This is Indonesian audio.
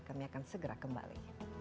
kami akan segera kembali